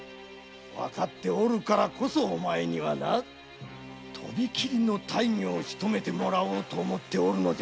わかっておるからこそお前にはなとびきりの大魚をしとめてもらおうと思っておるのだ。